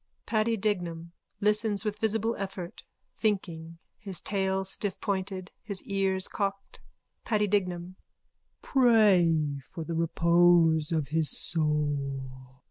(Paddy Dignam listens with visible effort, thinking, his tail stiffpointed, his ears cocked.) PADDY DIGNAM: Pray for the repose of his soul.